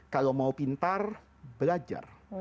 kalau mau pintar belajar